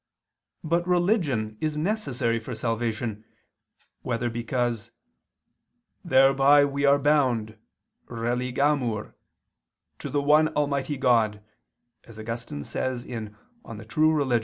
But religion is necessary for salvation, whether because "thereby we are bound (religamur) to the one almighty God," as Augustine says (De Vera Relig.